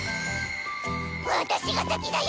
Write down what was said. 私が先だよ！